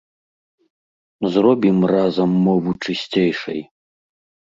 Зробім разам мову чысцейшай!